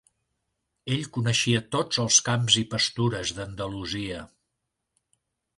Ell coneixia tots els camps i pastures d'Andalusia.